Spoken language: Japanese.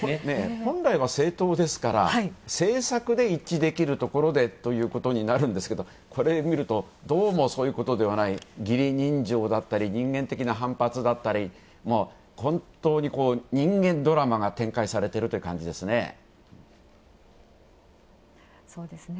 本来は政党ですから、政策で一致できるところでというところになるんですけどこれを見ると、どうもそういうことではない義理人情だったり、人間的な反発だったり本当に人間ドラマが展開されてるという感じですね。